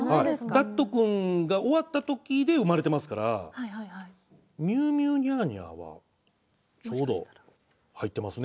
「ダットくん」が終わった時で生まれてますから「ミューミューニャーニャー」はちょうど入ってますね。